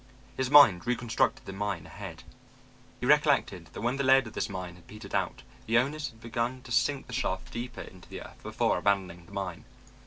His mind reconstructed the mine ahead. He recollected that when the lead of this mine had petered out, the owners had begun to sink the shaft deeper into the earth before abandoning the mine.